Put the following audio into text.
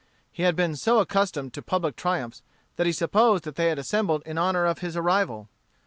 He had been so accustomed to public triumphs that he supposed that they had assembled in honor of his arrival.